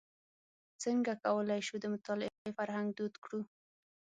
څنګه کولای شو د مطالعې فرهنګ دود کړو.